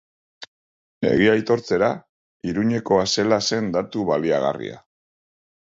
Egia aitortzera, Iruñekoa zela zen datu baliagarria.